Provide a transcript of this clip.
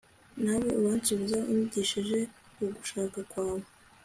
nawe uransubiza, unyigishe ugushaka kwawe